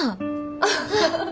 アハハハハ。